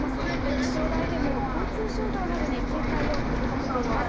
気象台でも交通障害などに警戒を呼びかけています。